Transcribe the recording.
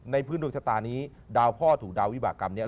พื้นดวงชะตานี้ดาวพ่อถูกดาววิบากรรมเนี่ย